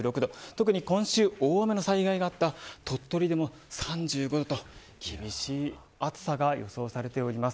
特に今週、大雨の災害があった鳥取でも３５度と厳しい暑さが予想されています。